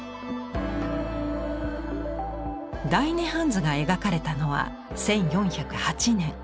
「大涅槃図」が描かれたのは１４０８年。